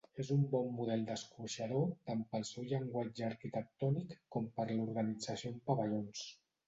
És un bon model d'escorxador tant pel seu llenguatge arquitectònic com per l'organització amb pavellons.